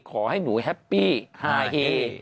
ขอให้หนูแฮปปี้ฮาเฮ